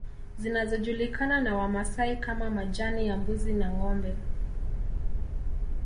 Zinazojulikana na Wamasai kama majani ya mbuzi na ngombe